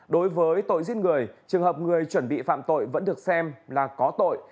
đối với tội giết người trường hợp người chuẩn bị phạm tội vẫn được xem là có tội